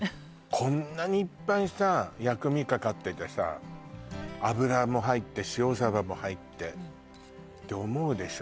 こんなにいっぱいさ薬味かかっててさ油も入って塩サバも入ってって思うでしょ